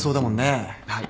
はい。